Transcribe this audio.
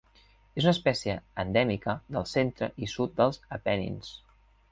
És una espècie endèmica del centre i sud dels Apenins.